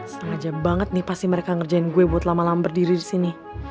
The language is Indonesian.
sengaja banget nih pasti mereka ngerjain gue buat lama lama berdiri disini